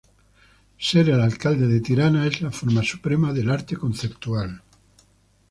Ser el alcalde de Tirana es la forma suprema del arte conceptual.